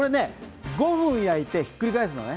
５分焼いてひっくり返すのね。